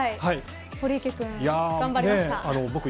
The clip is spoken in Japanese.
堀池君、頑張りました。